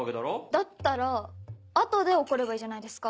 だったら後で怒ればいいじゃないですか。